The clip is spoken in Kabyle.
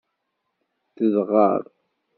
Tedɣer.